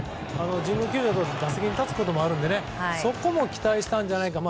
神宮球場の打席に立つこともあるんですけども期待したんじゃないかと。